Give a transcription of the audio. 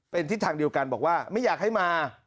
เป็นทิศทางเดียวกันบอกว่าไม่อยากให้มา